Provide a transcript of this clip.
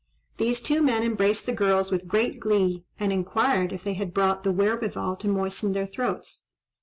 These two men embraced the girls with great glee, and inquired if they had brought the wherewithal to moisten their throats.